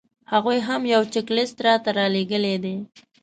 هغوی هم یو چیک لیست راته رالېږلی دی.